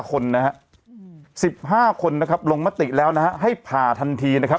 คนนะฮะ๑๕คนนะครับลงมติแล้วนะฮะให้ผ่าทันทีนะครับ